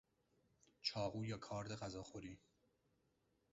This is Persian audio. چاقو یا کارد غذاخوری